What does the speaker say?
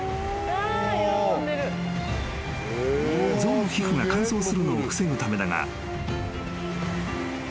［象の皮膚が乾燥するのを防ぐためだが］